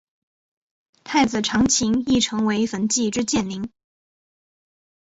太子长琴亦成为焚寂之剑灵。